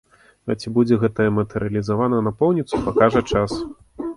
А ці будзе гэтая мэта рэалізавана напоўніцу, пакажа час.